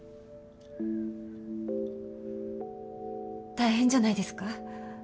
大変じゃないですか？